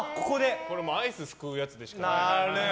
アイスすくうやつでしかない。